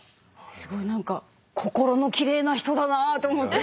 すごい何か心のきれいな人だなあと思って。